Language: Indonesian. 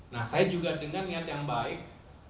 nah saya juga dengan niat yang baik